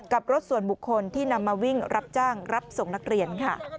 กับรถส่วนบุคคลที่นำมาวิ่งรับจ้างรับส่งนักเรียนค่ะ